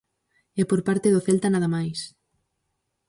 E por parte do Celta nada máis.